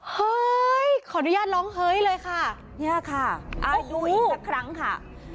เฮ้ยขออนุญาตร้องเฮ้ยเลยค่ะเนี่ยค่ะดูอีกสักครั้งค่ะ